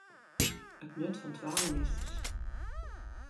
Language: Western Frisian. It nut fan twa ministers.